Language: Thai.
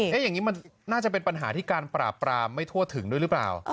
มีอันหาที่การปราบปราบไม่ทั่วถึงโดยหรือเปล่า